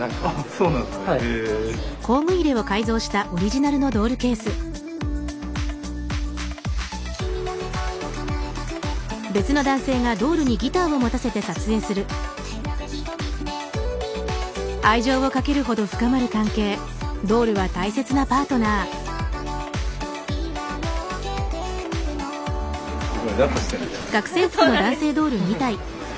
そうなんです。